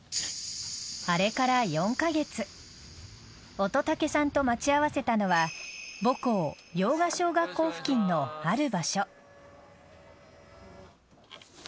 あれから４カ月乙武さんと待ち合わせたのは母校用賀小学校付近のある場所。